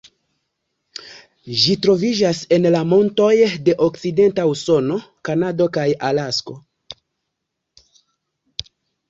Ĝi troviĝas en la montoj de okcidenta Usono, Kanado kaj Alasko.